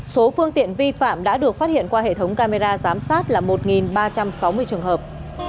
số phương tiện vi phạm đã được phát hiện qua hệ thống camera giám sát là một ba trăm sáu mươi trường hợp